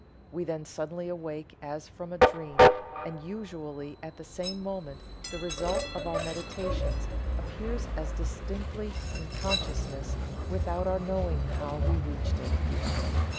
We then suddenly awake as from a dream, and usually at the same moment the result of our meditations appears as distinctly in consciousness without our knowing how we reached it."